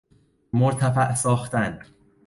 مرتفع ساختن